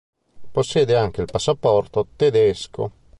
Possiede anche il passaporto tedesco.